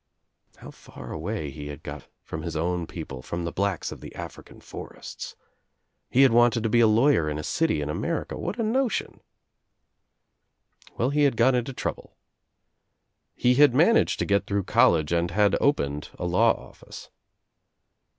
How far away he had got from his own people,' from the blacks of the African forests 1 He had wanted to be a lawyer in a city in America. What a notion Well he had got into trouble. He had managed, to get through college and had opened a law office.